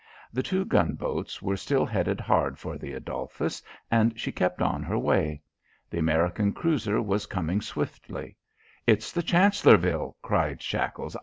The two gunboats were still headed hard for the Adolphus and she kept on her way. The American cruiser was coming swiftly. "It's the Chancellorville!" cried Shackles.